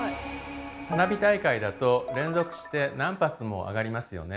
花火大会だと連続して何発も上がりますよね？